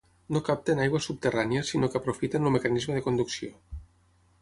No capten aigua subterrània, sinó que aprofiten el mecanisme de conducció.